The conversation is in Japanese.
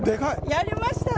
やりました！